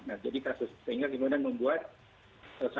nah jadi kasus sehingga gimana membuat kesan kesan